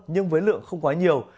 nhưng với lượng không quá nhiều